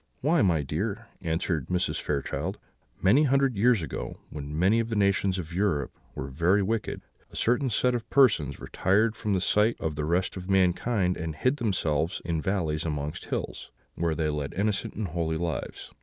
"Why, my dear," answered Mrs. Fairchild, "many hundred years ago, when many of the nations of Europe were very wicked, a certain set of persons retired from the sight of the rest of mankind, and hid themselves in valleys amongst hills, where they led innocent and holy lives.